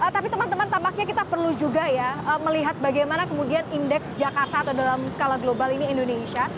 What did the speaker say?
tapi teman teman tampaknya kita perlu juga ya melihat bagaimana kemudian indeks jakarta atau dalam skala global ini indonesia